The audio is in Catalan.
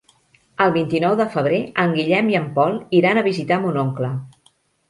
El vint-i-nou de febrer en Guillem i en Pol iran a visitar mon oncle.